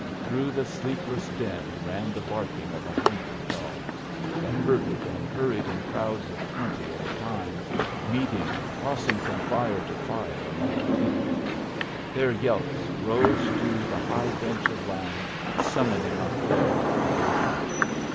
Through the sleepless din ran the barking of a hundred dogs, that herded and hurried in crowds of twenty at a time, meeting, crossing from fire to fire among the tepees. Their yelps rose to the high bench of land, summoning a horde of coyotes.